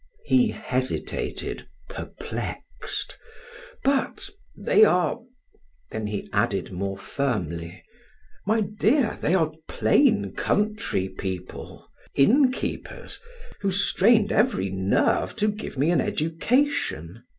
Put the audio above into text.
He hesitated, perplexed: "But they are " Then he added more firmly: "My dear, they are plain, country people, innkeepers, who strained every nerve to give me an education.